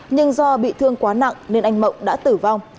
nhưng do bị thương quá nặng nên anh mộng đã tử vong